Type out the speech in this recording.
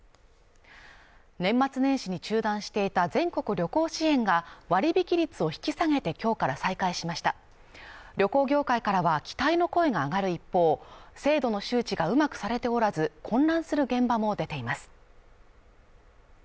年末年始に中断していた全国旅行支援が割引率を引き下げて今日から再開しました旅行業界からは期待の声が上がる一方制度の周知がうまくされておらず混乱する現場も出ています